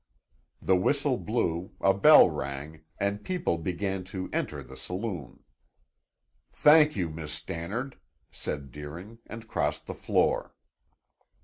The whistle blew, a bell rang, and people began to enter the saloon. "Thank you, Miss Stannard," said Deering and crossed the floor.